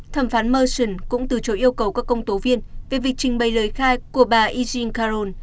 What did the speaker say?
thẩm phán murson cũng từ chối yêu cầu các công tố viên về việc trình bày lời khai của bà ezin caron